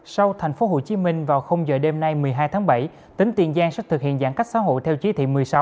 sau tp hcm vào giờ đêm nay một mươi hai tháng bảy tỉnh tiền giang sẽ thực hiện giãn cách xã hội theo chí thị một mươi sáu